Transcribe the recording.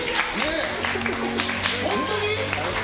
本当に？